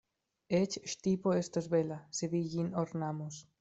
Eĉ ŝtipo estos bela, se vi ĝin ornamos.